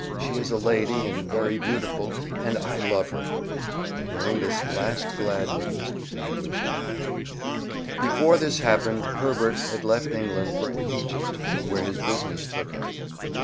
She is a lady and very beautiful. And I love her!" And hearing this last glad news, Magwitch died. Before this happened Herbert had left England for Egypt where his business took him.